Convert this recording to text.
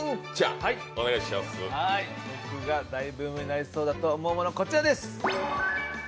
僕が「大ブームになりそうなもの」だと思うものはこちらです。